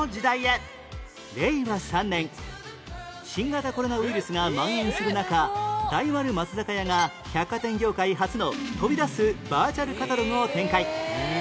令和３年新型コロナウイルスが蔓延する中大丸松坂屋が百貨店業界初の飛び出すバーチャルカタログを展開